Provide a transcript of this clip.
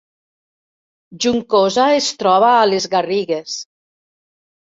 Juncosa es troba a les Garrigues